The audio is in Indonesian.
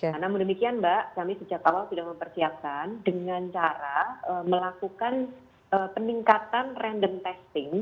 karena menemikian mbak kami sejak awal sudah mempersiapkan dengan cara melakukan peningkatan random testing